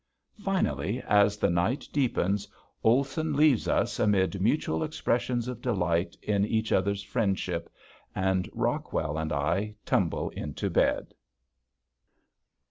Finally as the night deepens Olson leaves us amid mutual expressions of delight in each other's friendship, and Rockwell and I tumble into bed.